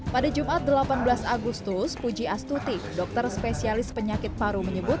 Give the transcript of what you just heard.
pada jumat delapan belas agustus puji astuti dokter spesialis penyakit paru menyebut